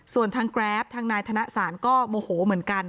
ส่วนทางแกรปทางนายธนสารก็โมโหเหมือนกัน